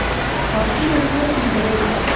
اسانه کار نه دی.